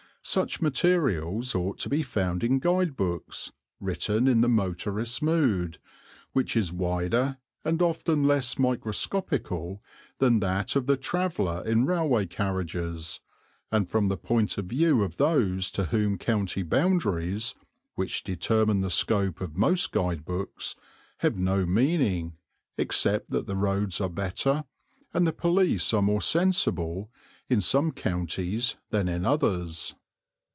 Such materials ought to be found in guide books, written in the motorist's mood, which is wider and often less microscopical than that of the traveller in railway carriages, and from the point of view of those to whom county boundaries, which determine the scope of most guide books, have no meaning, except that the roads are better, and the police are more sensible, in some counties than in others.